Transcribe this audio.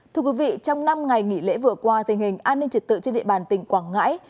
trong năm ngày nghỉ lễ vừa qua tình hình an ninh trật tự trên địa bàn tỉnh quảng ngãi